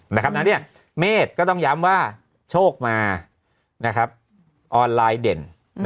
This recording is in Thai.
ดังนั้นเมฆก็ต้องย้ำว่าโชคมาออนไลน์เด่น